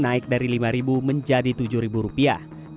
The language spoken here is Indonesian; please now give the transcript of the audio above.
naik dari lima menjadi tujuh rupiah